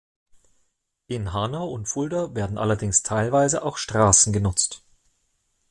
In Hanau und Fulda werden allerdings teilweise auch Straßen genutzt.